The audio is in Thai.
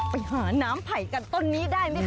ไปหาน้ำไผ่ต้นนี้ได้มั้ยคะคุณลุม